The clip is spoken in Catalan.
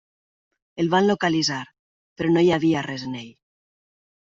El van localitzar però no hi havia res en ell.